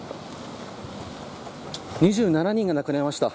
２７人が亡くなりました。